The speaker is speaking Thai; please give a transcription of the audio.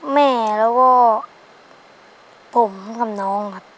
แม่แล้วก็ผมกับน้องครับ